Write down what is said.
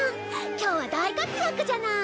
今日は大活躍じゃない。